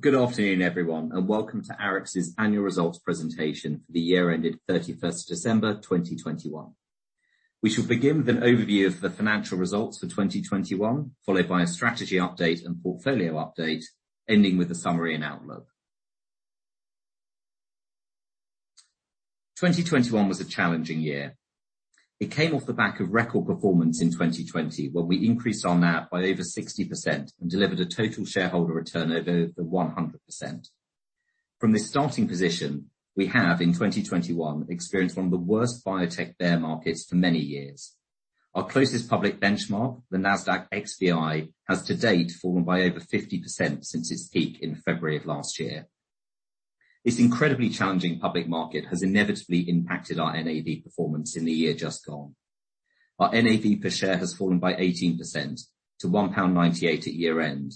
Good afternoon, everyone, and welcome to Arix's annual results presentation for the year ended 31st December 2021. We shall begin with an overview of the financial results for 2021, followed by a strategy update and portfolio update, ending with a summary and outlook. 2021 was a challenging year. It came off the back of record performance in 2020, where we increased our NAV by over 60% and delivered a total shareholder return over 100%. From this starting position, we have in 2021 experienced one of the worst biotech bear markets for many years. Our closest public benchmark, the NASDAQ XBI, has to date fallen by over 50% since its peak in February of last year. This incredibly challenging public market has inevitably impacted our NAV performance in the year just gone. Our NAV per share has fallen by 18% to 1.98 pound at year-end.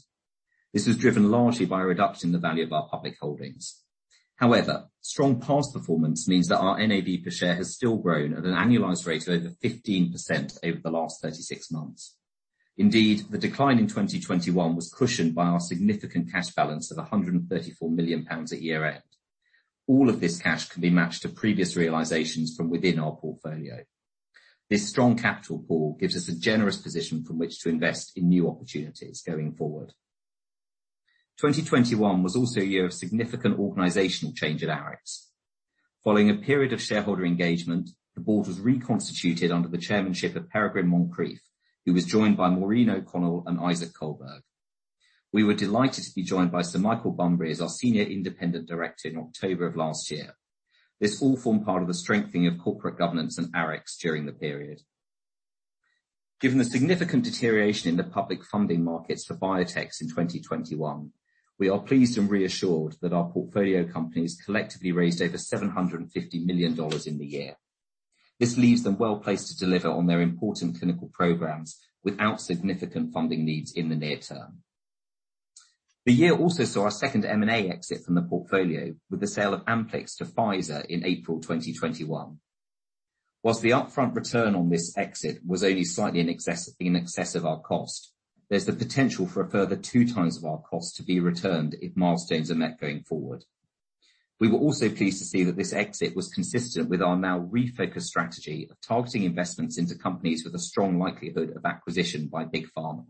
This was driven largely by a reduction in the value of our public holdings. However, strong past performance means that our NAV per share has still grown at an annualized rate of over 15% over the last 36 months. Indeed, the decline in 2021 was cushioned by our significant cash balance of 134 million pounds at year-end. All of this cash can be matched to previous realizations from within our portfolio. This strong capital pool gives us a generous position from which to invest in new opportunities going forward. 2021 was also a year of significant organizational change at Arix. Following a period of shareholder engagement, the board was reconstituted under the chairmanship of Peregrine Moncreiffe, who was joined by Maureen O'Connell and Isaac Kohlberg. We were delighted to be joined by Sir Michael Bunbury as our senior independent director in October of last year. This all formed part of the strengthening of corporate governance in Arix during the period. Given the significant deterioration in the public funding markets for biotechs in 2021, we are pleased and reassured that our portfolio companies collectively raised over $750 million in the year. This leaves them well-placed to deliver on their important clinical programs without significant funding needs in the near term. The year also saw our second M&A exit from the portfolio with the sale of Amplyx to Pfizer in April 2021. While the upfront return on this exit was only slightly in excess of our cost, there's the potential for a further 2x of our cost to be returned if milestones are met going forward. We were also pleased to see that this exit was consistent with our now refocused strategy of targeting investments into companies with a strong likelihood of acquisition by big pharma.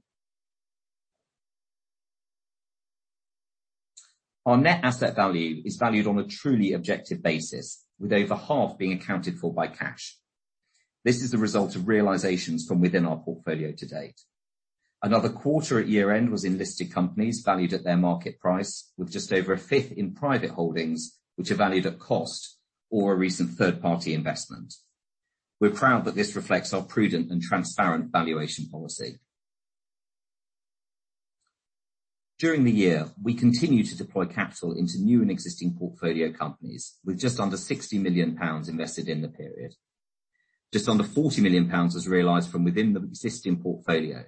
Our net asset value is valued on a truly objective basis, with over half being accounted for by cash. This is the result of realizations from within our portfolio to date. Another quarter at year-end was in listed companies valued at their market price, with just over a fifth in private holdings, which are valued at cost or a recent third-party investment. We're proud that this reflects our prudent and transparent valuation policy. During the year, we continued to deploy capital into new and existing portfolio companies with just under 60 million pounds invested in the period. Just under 40 million pounds was realized from within the existing portfolio.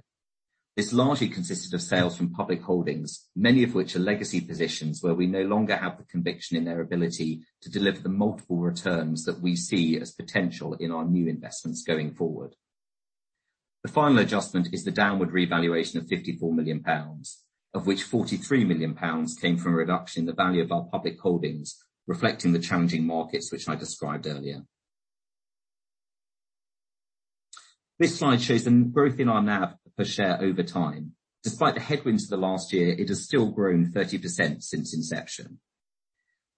This largely consisted of sales from public holdings, many of which are legacy positions where we no longer have the conviction in their ability to deliver the multiple returns that we see as potential in our new investments going forward. The final adjustment is the downward revaluation of 54 million pounds, of which 43 million pounds came from a reduction in the value of our public holdings, reflecting the challenging markets which I described earlier. This slide shows the growth in our NAV per share over time. Despite the headwinds of the last year, it has still grown 30% since inception.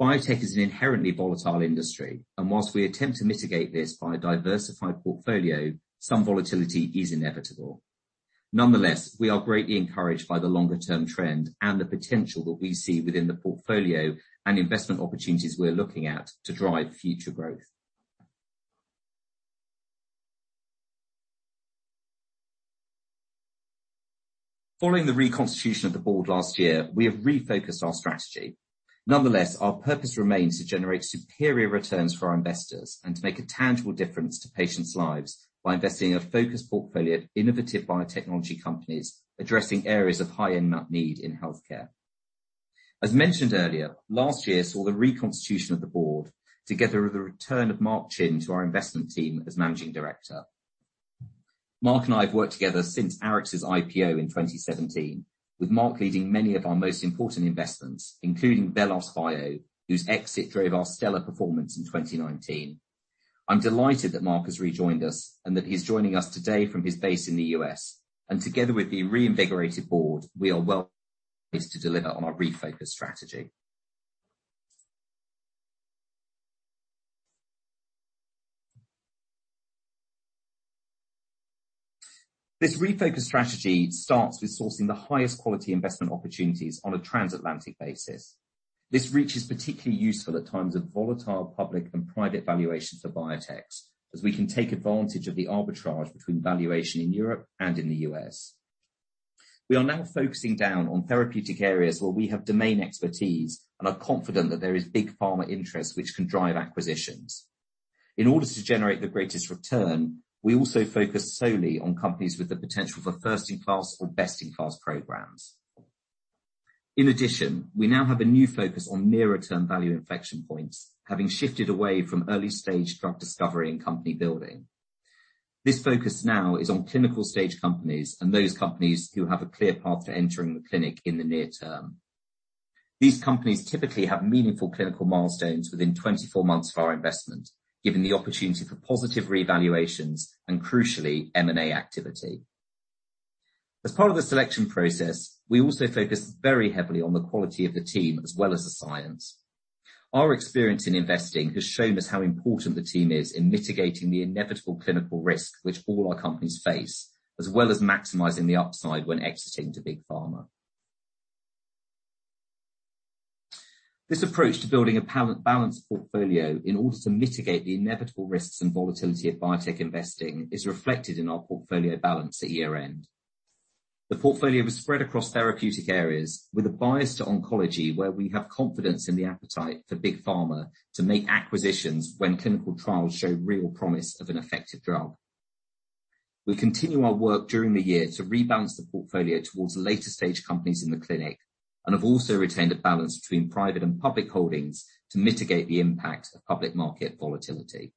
Biotech is an inherently volatile industry, and while we attempt to mitigate this by a diversified portfolio, some volatility is inevitable. Nonetheless, we are greatly encouraged by the longer-term trend and the potential that we see within the portfolio and investment opportunities we're looking at to drive future growth. Following the reconstitution of the board last year, we have refocused our strategy. Nonetheless, our purpose remains to generate superior returns for our investors and to make a tangible difference to patients' lives by investing in a focused portfolio of innovative biotechnology companies addressing areas of high unmet need in healthcare. As mentioned earlier, last year saw the reconstitution of the board together with the return of Mark Chin to our investment team as Managing Director. Mark and I have worked together since Arix's IPO in 2017, with Mark leading many of our most important investments, including VelosBio, whose exit drove our stellar performance in 2019. I'm delighted that Mark has rejoined us and that he's joining us today from his base in the U.S. Together with the reinvigorated board, we are well placed to deliver on our refocused strategy. This refocused strategy starts with sourcing the highest quality investment opportunities on a transatlantic basis. This reach is particularly useful at times of volatile public and private valuations for biotechs, as we can take advantage of the arbitrage between valuation in Europe and in the U.S. We are now focusing down on therapeutic areas where we have domain expertise and are confident that there is big pharma interest which can drive acquisitions. In order to generate the greatest return, we also focus solely on companies with the potential for first-in-class or best-in-class programs. In addition, we now have a new focus on nearer-term value inflection points, having shifted away from early-stage drug discovery and company building. This focus now is on clinical stage companies and those companies who have a clear path to entering the clinic in the near term. These companies typically have meaningful clinical milestones within 24 months of our investment, giving the opportunity for positive revaluations and crucially, M&A activity. As part of the selection process, we also focus very heavily on the quality of the team as well as the science. Our experience in investing has shown us how important the team is in mitigating the inevitable clinical risk which all our companies face, as well as maximizing the upside when exiting to Big Pharma. This approach to building a well-balanced portfolio in order to mitigate the inevitable risks and volatility of biotech investing is reflected in our portfolio balance at year-end. The portfolio was spread across therapeutic areas with a bias to oncology, where we have confidence in the appetite for Big Pharma to make acquisitions when clinical trials show real promise of an effective drug. We continue our work during the year to rebalance the portfolio towards later stage companies in the clinic, and have also retained a balance between private and public holdings to mitigate the impact of public market volatility.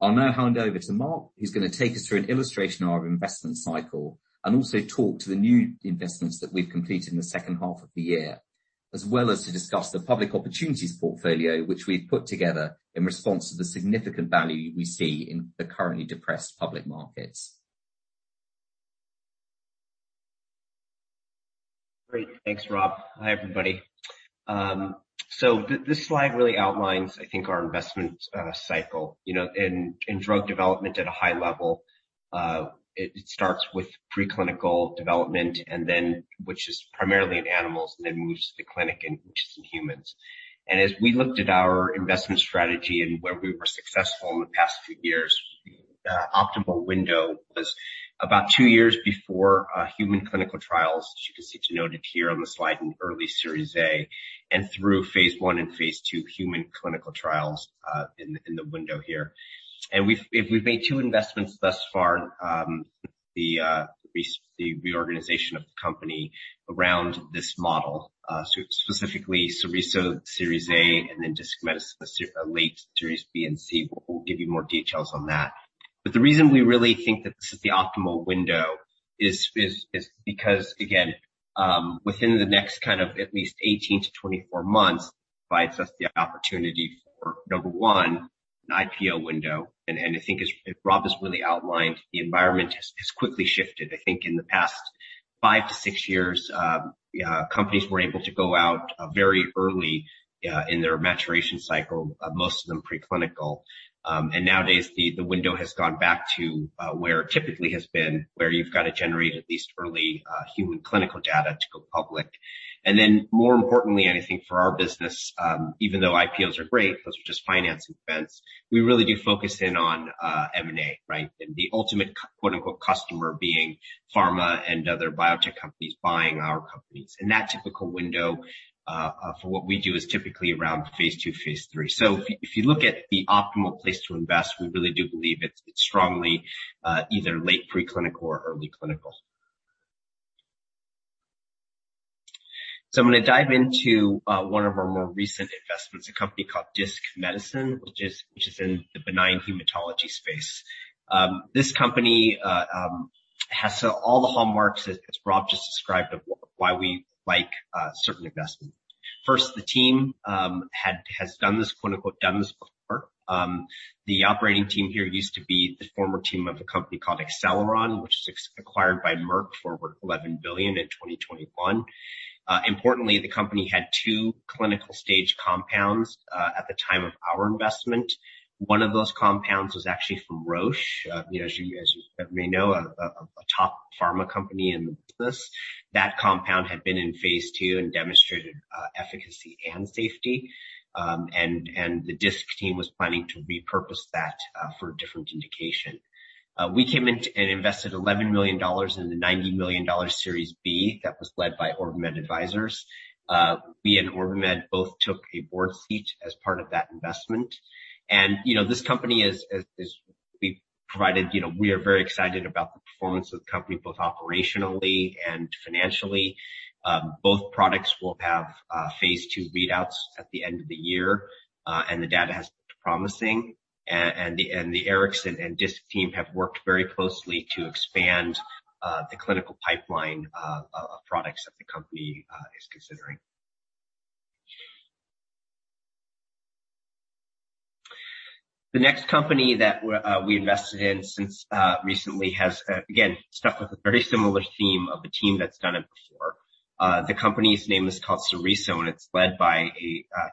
I'll now hand over to Mark, who's gonna take us through an illustration of our investment cycle and also talk to the new investments that we've completed in the second half of the year, as well as to discuss the public opportunities portfolio which we've put together in response to the significant value we see in the currently depressed public markets. Great. Thanks, Rob. Hi, everybody. This slide really outlines, I think, our investment cycle. You know, in drug development at a high level, it starts with preclinical development, which is primarily in animals, and then moves to the clinic, which is in humans. As we looked at our investment strategy and where we were successful in the past few years, optimal window was about 2 years before human clinical trials. As you can see, it's noted here on the slide in early Series A and through phase I and phase II human clinical trials, in the window here. We've made two investments thus far, the reorganization of the company around this model, so specifically Sorriso Series A and then Disc Medicine, late Series B and C. We'll give you more details on that. The reason we really think that this is the optimal window is because again, within the next kind of at least 18-24 months provides us the opportunity for, number one, an IPO window. I think as Rob has really outlined, the environment has quickly shifted. I think in the past 5-6 years, companies were able to go out very early in their maturation cycle, most of them preclinical. Nowadays the window has gone back to where it typically has been, where you've got to generate at least early human clinical data to go public. Then more importantly, I think for our business, even though IPOs are great, those are just financing events. We really do focus in on M&A, right? The ultimate, quote, unquote, "customer" being pharma and other biotech companies buying our companies. That typical window for what we do is typically around phase II, phase III. If you look at the optimal place to invest, we really do believe it's strongly either late preclinical or early clinical. I'm gonna dive into one of our more recent investments, a company called Disc Medicine, which is in the benign hematology space. This company has all the hallmarks as Rob just described, of why we like certain investments. First, the team has done this, quote, unquote, "done this before." The operating team here used to be the former team of a company called Acceleron, which is acquired by Merck for over $11 billion in 2021. Importantly, the company had two clinical stage compounds at the time of our investment. One of those compounds was actually from Roche. You know, as you guys may know, a top pharma company in the business. That compound had been in phase II and demonstrated efficacy and safety. The Disc team was planning to repurpose that for a different indication. We came in and invested $11 million in the $90 million Series B that was led by OrbiMed Advisors. We and OrbiMed both took a board seat as part of that investment. You know, we are very excited about the performance of the company both operationally and financially. Both products will have phase II readouts at the end of the year, and the data has been promising. The Arix and Disc team have worked very closely to expand the clinical pipeline of products that the company is considering. The next company that we invested in most recently has again stuck with a very similar theme of a team that's done it before. The company's name is called Sorriso, and it's led by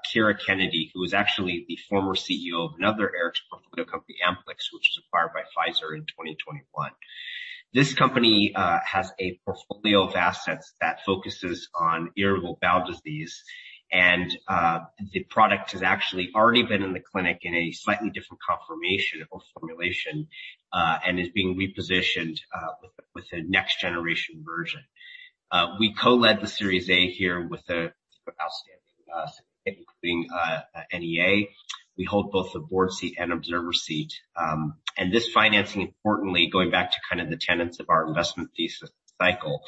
Ciara Kennedy, who is actually the former CEO of another Arix portfolio company, Amplyx, which was acquired by Pfizer in 2021. This company has a portfolio of assets that focuses on inflammatory bowel disease. The product has actually already been in the clinic in a slightly different conformation or formulation, and is being repositioned with a next generation version. We co-led the Series A here with an outstanding including NEA. We hold both the board seat and observer seat. This financing, importantly, going back to kind of the tenets of our investment thesis cycle,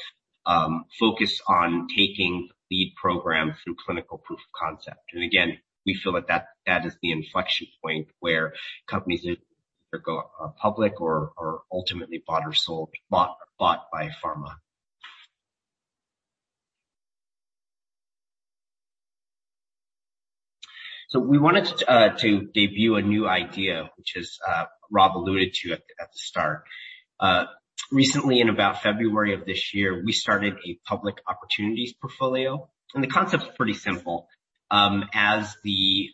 focus on taking the program through clinical proof of concept. Again, we feel that is the inflection point where companies either go public or ultimately bought or sold by pharma. We wanted to debut a new idea, which is, Rob alluded to at the start. Recently in about February of this year, we started a public opportunities portfolio, and the concept is pretty simple. As the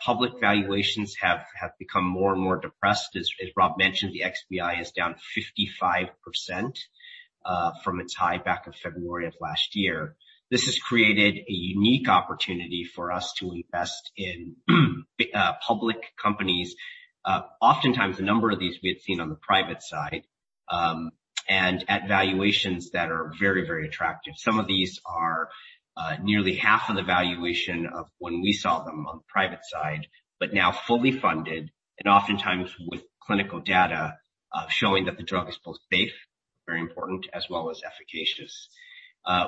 public valuations have become more and more depressed, as Rob mentioned, the XBI is down 55% from its high back in February of last year. This has created a unique opportunity for us to invest in public companies. Oftentimes, a number of these we had seen on the private side, and at valuations that are very, very attractive. Some of these are nearly half of the valuation of when we saw them on the private side, but now fully funded and oftentimes with clinical data showing that the drug is both safe, very important, as well as efficacious.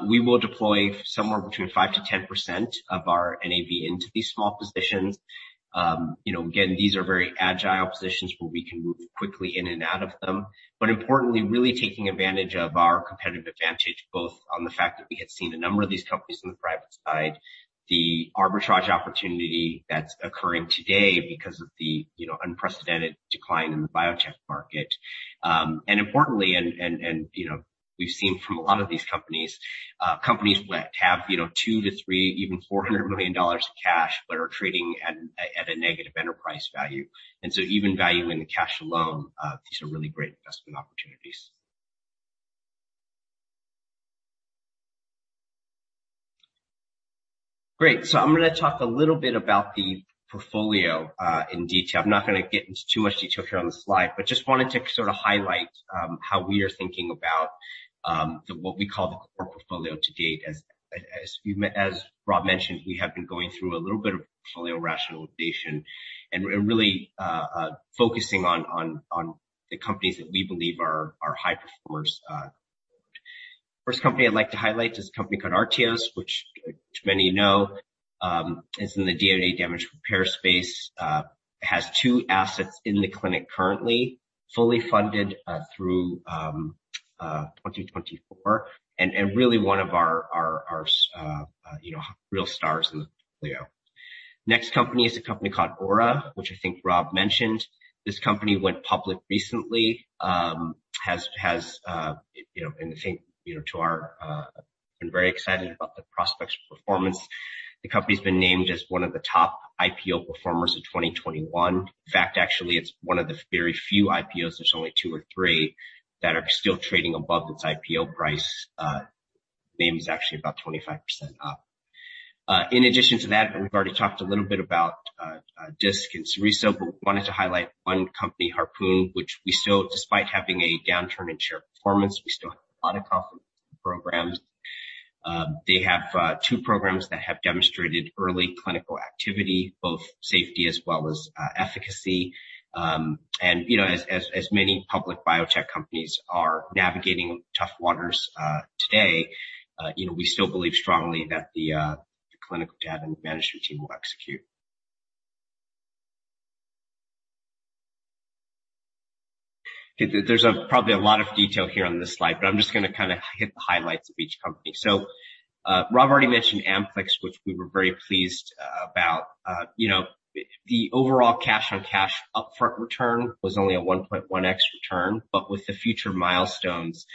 We will deploy somewhere between 5%-10% of our NAV into these small positions. You know, again, these are very agile positions where we can move quickly in and out of them, but importantly, really taking advantage of our competitive advantage, both on the fact that we had seen a number of these companies in the private side, the arbitrage opportunity that's occurring today because of the, you know, unprecedented decline in the biotech market. Importantly, we've seen from a lot of these companies that have, you know, $200 million-$300 million, even $400 million of cash, but are trading at a negative enterprise value. So even valuing the cash alone, these are really great investment opportunities. Great. I'm gonna talk a little bit about the portfolio, in detail. I'm not gonna get into too much detail here on the slide, but just wanted to sort of highlight how we are thinking about the what we call the core portfolio to date. As Rob mentioned, we have been going through a little bit of portfolio rationalization and really focusing on the companies that we believe are high performers. First company I'd like to highlight is a company called Artios, which many know is in the DNA damage repair space, has two assets in the clinic currently, fully funded through 2024, and really one of our, you know, real stars in the portfolio. Next company is a company called Aura, which I think Rob mentioned. This company went public recently and I think we've been very excited about the prospects for performance. The company's been named as one of the top IPO performers of 2021. In fact, actually, it's one of the very few IPOs, there's only two or three, that are still trading above its IPO price. It's actually about 25% up. In addition to that, we've already talked a little bit about Disc and Sorriso, but we wanted to highlight one company, Harpoon, which we still, despite having a downturn in share performance, we still have a lot of confidence in the programs. They have two programs that have demonstrated early clinical activity, both safety as well as efficacy. You know, as many public biotech companies are navigating tough waters today, you know, we still believe strongly that the clinical data and management team will execute. There's probably a lot of detail here on this slide, but I'm just gonna kinda hit the highlights of each company. Rob already mentioned Amplyx, which we were very pleased about. You know, the overall cash-on-cash upfront return was only a 1.1x return, but with the future milestones,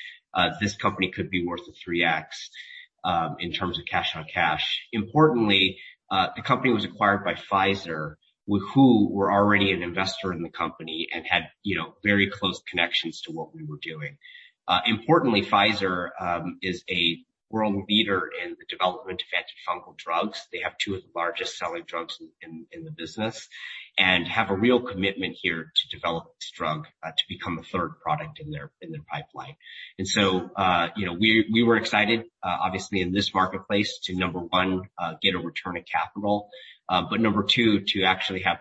this company could be worth a 3x in terms of cash-on-cash. Importantly, the company was acquired by Pfizer, who were already an investor in the company and had very close connections to what we were doing. Importantly, Pfizer is a world leader in the development of antifungal drugs. They have two of the largest selling drugs in the business and have a real commitment here to develop this drug to become a third product in their pipeline. You know, we were excited obviously in this marketplace to, number one, get a return of capital, but number two, to actually have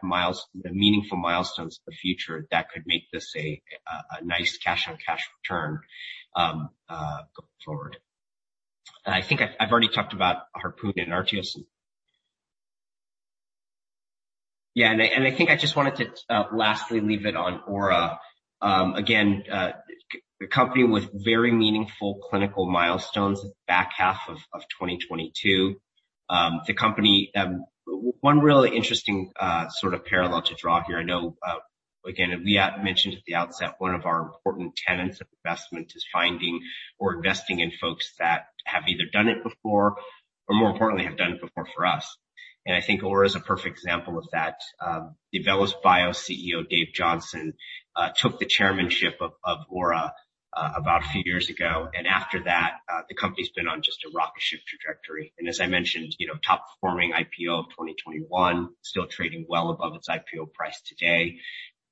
meaningful milestones in the future that could make this a nice cash-on-cash return going forward. I think I've already talked about Harpoon and Artios. I think I just wanted to lastly leave it on Aura. Again, a company with very meaningful clinical milestones back half of 2022. The company one really interesting sort of parallel to draw here. I know, again, we had mentioned at the outset, one of our important tenets of investment is finding or investing in folks that have either done it before or more importantly, have done it before for us. I think Aura is a perfect example of that. VelosBio CEO, David Johnson, took the chairmanship of Aura about a few years ago. After that, the company's been on just a rocket ship trajectory. As I mentioned, you know, top performing IPO of 2021, still trading well above its IPO price today.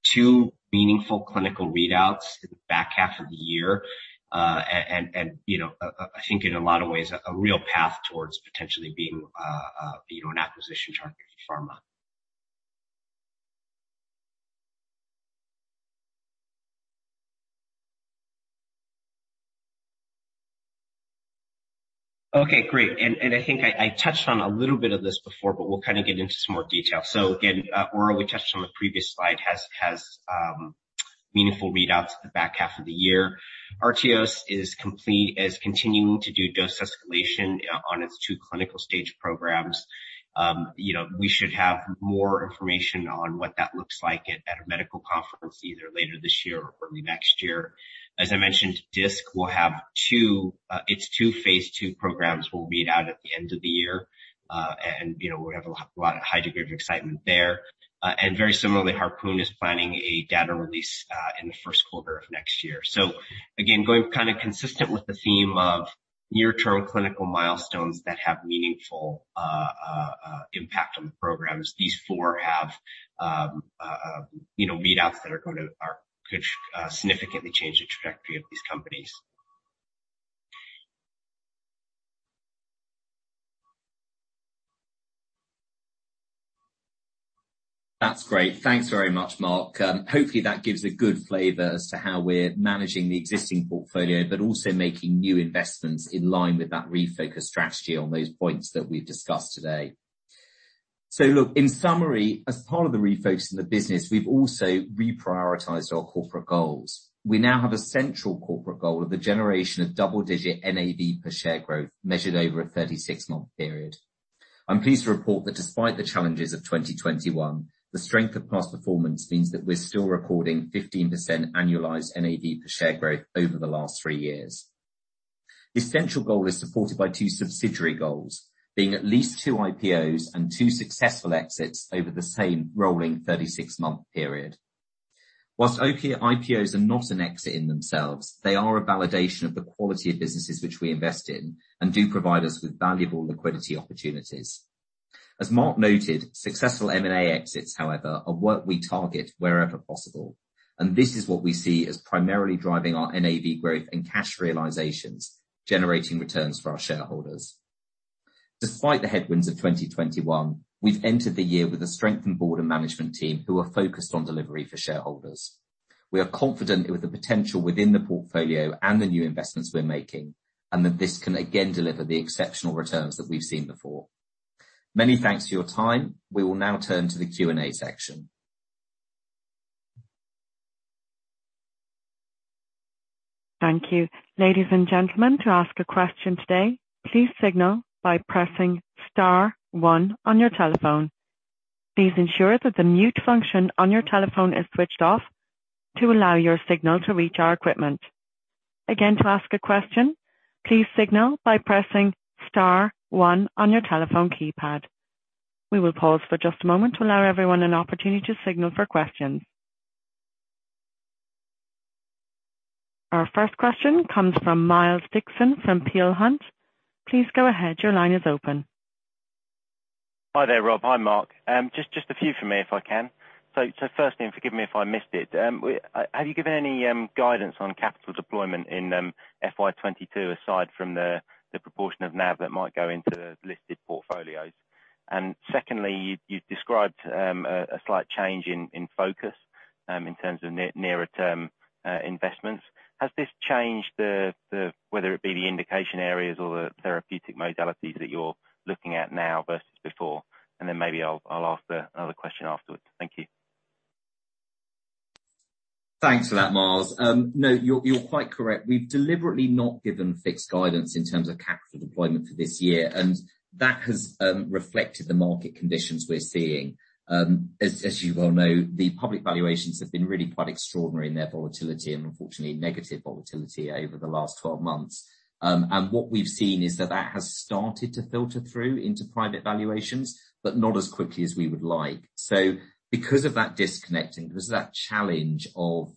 Two meaningful clinical readouts in the back half of the year. And, you know, I think in a lot of ways a real path towards potentially being, you know, an acquisition target for pharma. Okay, great. I think I touched on a little bit of this before, but we'll kind of get into some more detail. Artios, we touched on the previous slide, has meaningful readouts at the back half of the year. Artios is continuing to do dose escalation on its two clinical stage programs. You know, we should have more information on what that looks like at a medical conference either later this year or early next year. As I mentioned, Disc will have its two, phase II programs read out at the end of the year. You know, we have a lot of high degree of excitement there. Very similarly, Harpoon is planning a data release in the first quarter of next year. Again, going kind of consistent with the theme of near-term clinical milestones that have meaningful impact on the programs. These four have you know, readouts that could significantly change the trajectory of these companies. That's great. Thanks very much, Mark. Hopefully, that gives a good flavor as to how we're managing the existing portfolio, but also making new investments in line with that refocused strategy on those points that we've discussed today. Look, in summary, as part of the refocus in the business, we've also reprioritized our corporate goals. We now have a central corporate goal of the generation of double-digit NAV per share growth measured over a 36-month period. I'm pleased to report that despite the challenges of 2021, the strength of past performance means that we're still recording 15% annualized NAV per share growth over the last 3 years. This central goal is supported by two subsidiary goals, being at least two IPOs and two successful exits over the same rolling 36-month period. While IPOs are not an exit in themselves, they are a validation of the quality of businesses which we invest in and do provide us with valuable liquidity opportunities. As Mark noted, successful M&A exits, however, are what we target wherever possible, and this is what we see as primarily driving our NAV growth and cash realizations, generating returns for our shareholders. Despite the headwinds of 2021, we've entered the year with a strengthened board and management team who are focused on delivery for shareholders. We are confident with the potential within the portfolio and the new investments we're making, and that this can again deliver the exceptional returns that we've seen before. Many thanks for your time. We will now turn to the Q&A section. Thank you. Ladies and gentlemen, to ask a question today, please signal by pressing star one on your telephone. Please ensure that the mute function on your telephone is switched off to allow your signal to reach our equipment. Again, to ask a question, please signal by pressing star one on your telephone keypad. We will pause for just a moment to allow everyone an opportunity to signal for questions. Our first question comes from Miles Dixon from Peel Hunt. Please go ahead. Your line is open. Hi there, Rob. Hi, Mark. Just a few from me, if I can. Firstly, forgive me if I missed it, have you given any guidance on capital deployment in FY 2022, aside from the proportion of NAV that might go into listed portfolios? Secondly, you described a slight change in focus in terms of nearer term investments. Has this changed the whether it be the indication areas or the therapeutic modalities that you're looking at now versus before? Then maybe I'll ask another question afterwards. Thank you. Thanks for that, Miles. No, you're quite correct. We've deliberately not given fixed guidance in terms of capital deployment for this year, and that has reflected the market conditions we're seeing. As you well know, the public valuations have been really quite extraordinary in their volatility, and unfortunately negative volatility over the last 12 months. What we've seen is that that has started to filter through into private valuations, but not as quickly as we would like. Because of that disconnect, because of that challenge of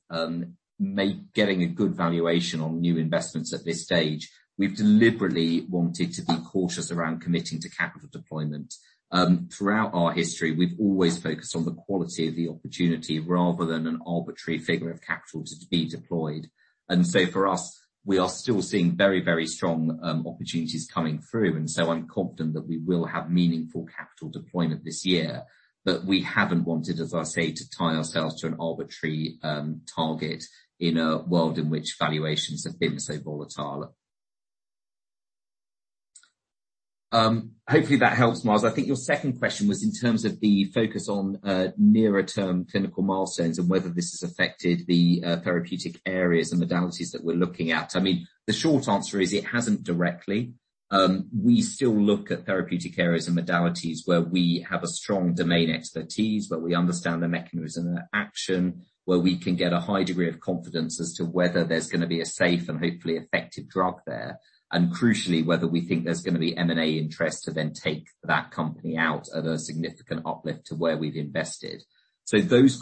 getting a good valuation on new investments at this stage, we've deliberately wanted to be cautious around committing to capital deployment. Throughout our history, we've always focused on the quality of the opportunity rather than an arbitrary figure of capital to be deployed. For us, we are still seeing very, very strong opportunities coming through, and so I'm confident that we will have meaningful capital deployment this year. We haven't wanted, as I say, to tie ourselves to an arbitrary target in a world in which valuations have been so volatile. Hopefully, that helps, Miles. I think your second question was in terms of the focus on nearer term clinical milestones and whether this has affected the therapeutic areas and modalities that we're looking at. I mean, the short answer is it hasn't directly. We still look at therapeutic areas and modalities where we have a strong domain expertise, where we understand the mechanism and the action, where we can get a high degree of confidence as to whether there's gonna be a safe and hopefully effective drug there, and crucially, whether we think there's gonna be M&A interest to then take that company out at a significant uplift to where we've invested. Those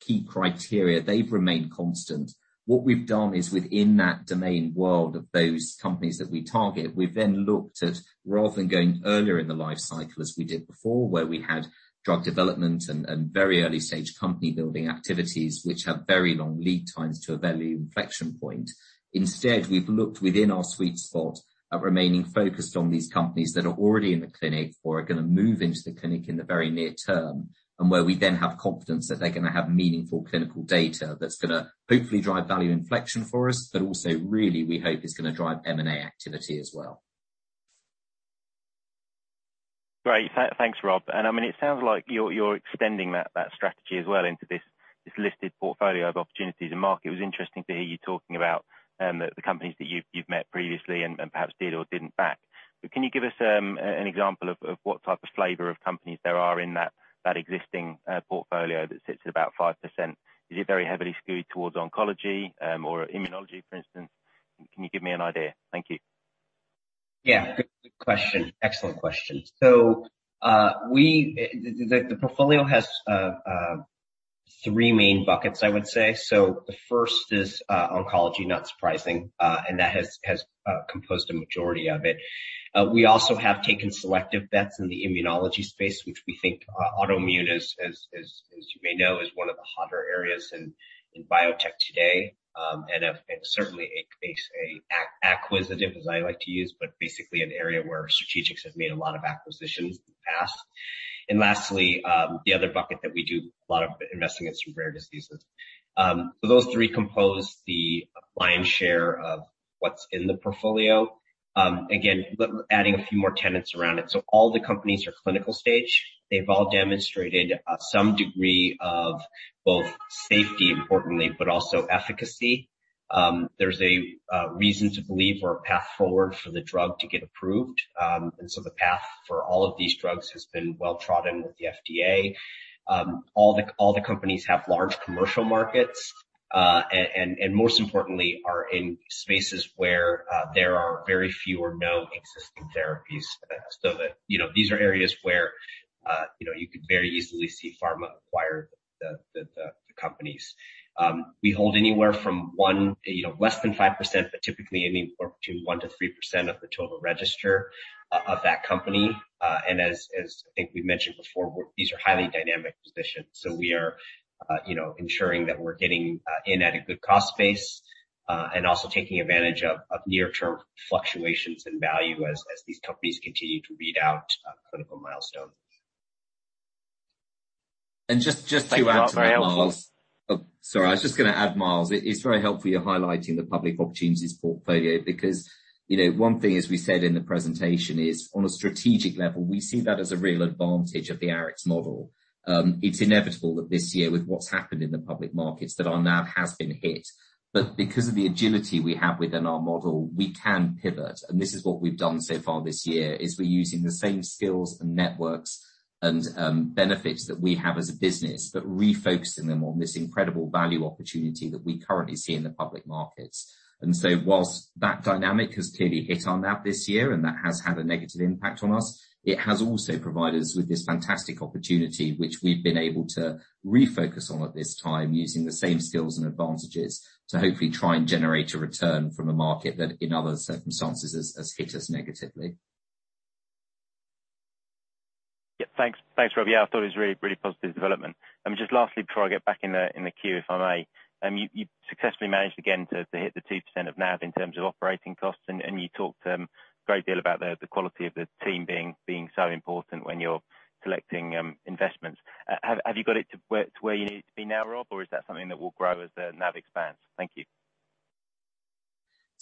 key criteria, they've remained constant. What we've done is within that domain world of those companies that we target, we've then looked at rather than going earlier in the life cycle as we did before, where we had drug development and very early-stage company building activities which have very long lead times to a value inflection point. Instead, we've looked within our sweet spot at remaining focused on these companies that are already in the clinic or are gonna move into the clinic in the very near term, and where we then have confidence that they're gonna have meaningful clinical data that's gonna hopefully drive value inflection for us, but also really we hope is gonna drive M&A activity as well. Great. Thanks, Rob. I mean, it sounds like you're extending that strategy as well into this listed portfolio of opportunities and market. It was interesting to hear you talking about the companies that you've met previously and perhaps did or didn't back. Can you give us an example of what type of flavor of companies there are in that existing portfolio that sits at about 5%? Is it very heavily skewed towards oncology or immunology, for instance? Can you give me an idea? Thank you. Yeah. Good question. Excellent question. The portfolio has three main buckets, I would say. The first is oncology, not surprising. And that has composed a majority of it. We also have taken selective bets in the immunology space, which we think autoimmune, as you may know, is one of the hotter areas in biotech today. And certainly acquisitive, as I like to use, but basically an area where strategics have made a lot of acquisitions in the past. Lastly, the other bucket that we do a lot of investing is in rare diseases. Those three compose the lion's share of what's in the portfolio. Again, adding a few more tenets around it. All the companies are clinical-stage. They've all demonstrated some degree of both safety, importantly, but also efficacy. There's a reason to believe or a path forward for the drug to get approved. The path for all of these drugs has been well-trodden with the FDA. All the companies have large commercial markets. Most importantly, are in spaces where there are very few or no existing therapies. That, you know, these are areas where, you know, you could very easily see pharma acquire the companies. We hold anywhere from 1%, you know, less than 5%, but typically anywhere between 1%-3% of the total register of that company. As I think we mentioned before, these are highly dynamic positions. We are, you know, ensuring that we're getting in at a good cost base, and also taking advantage of near-term fluctuations in value as these companies continue to read out clinical milestones. Just to add to that, Miles. Thank you, Rob. Very helpful. Oh, sorry. I was just gonna add, Miles. It's very helpful you're highlighting the public opportunities portfolio because, you know, one thing, as we said in the presentation is on a strategic level, we see that as a real advantage of the Arix model. It's inevitable that this year, with what's happened in the public markets, that our NAV has been hit. Because of the agility we have within our model, we can pivot. This is what we've done so far this year, is we're using the same skills and networks and, benefits that we have as a business, but refocusing them on this incredible value opportunity that we currently see in the public markets. While that dynamic has clearly hit our NAV this year and that has had a negative impact on us, it has also provided us with this fantastic opportunity which we've been able to refocus on at this time using the same skills and advantages to hopefully try and generate a return from a market that in other circumstances has hit us negatively. Yeah, thanks. Thanks, Rob. Yeah, I thought it was a really, really positive development. Just lastly, before I get back in the queue, if I may. You successfully managed again to hit the 2% of NAV in terms of operating costs. You talked a great deal about the quality of the team being so important when you're collecting investments. Have you got it to where you need it to be now, Rob or is that something that will grow as the NAV expands? Thank you.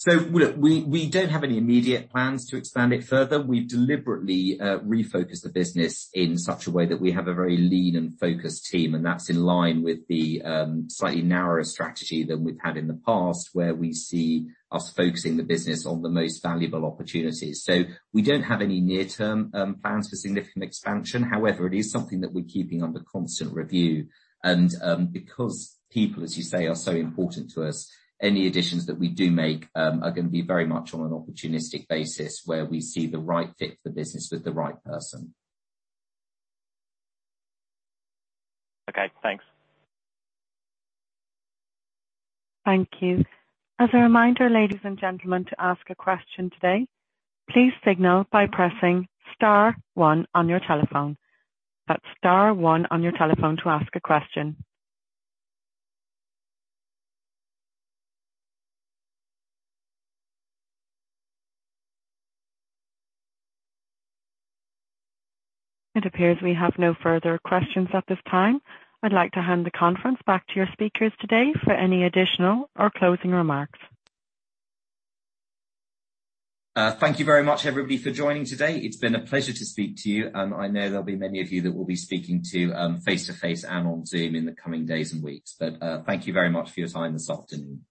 Look, we don't have any immediate plans to expand it further. We've deliberately refocused the business in such a way that we have a very lean and focused team, and that's in line with the slightly narrower strategy than we've had in the past where we see us focusing the business on the most valuable opportunities. We don't have any near-term plans for significant expansion. However, it is something that we're keeping under constant review. Because people, as you say, are so important to us, any additions that we do make are gonna be very much on an opportunistic basis where we see the right fit for the business with the right person. Okay, thanks. Thank you. As a reminder, ladies and gentlemen, to ask a question today, please signal by pressing star one on your telephone. That's star one on your telephone to ask a question. It appears we have no further questions at this time. I'd like to hand the conference back to your speakers today for any additional or closing remarks. Thank you very much, everybody, for joining today. It's been a pleasure to speak to you. I know there'll be many of you that we'll be speaking to, face-to-face and on Zoom in the coming days and weeks. Thank you very much for your time this afternoon.